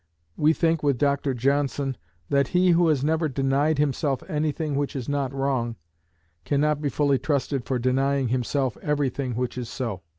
We think with Dr Johnson, that he who has never denied himself anything which is not wrong, cannot be fully trusted for denying himself everything which is so.